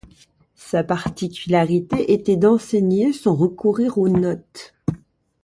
Sa particularité était d'enseigner sans recourir aux notes.